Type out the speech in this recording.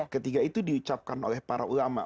ketiga itu diucapkan oleh para ulama